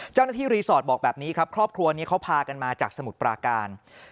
เจ้าหน้าที่รีสอร์ทบอกแบบนี้ครับครอบครัวนี้เขาพากันมาจากสมุทรปราการ